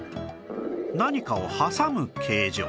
何かを挟む形状